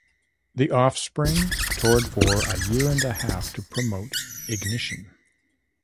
The Offspring toured for a-year-and-a-half to promote "Ignition".